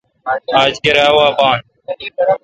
آج گرا وا بان۔